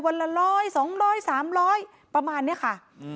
ละร้อยสองร้อยสามร้อยประมาณนี้ค่ะ